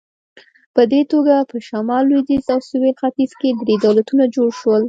په دې توګه په شمال، لوېدیځ او سویل ختیځ کې درې دولتونه جوړ شول.